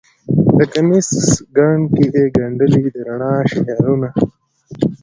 د کمیس ګنډ کې یې ګنډلې د رڼا شعرونه